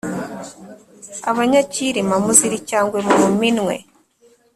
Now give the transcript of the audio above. Abanyakirima muzira icyangwe mu minwe